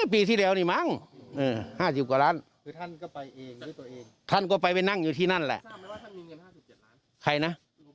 ปีที่แล้วนี่มั้งเออห้าสิบกว่าล้านคือท่านก็ไปเองด้วยตัวเอง